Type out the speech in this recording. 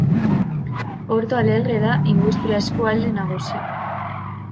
Porto Alegre da industria eskualde nagusia.